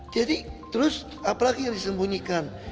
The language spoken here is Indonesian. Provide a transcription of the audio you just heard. jadi terus apa lagi yang disembunyikan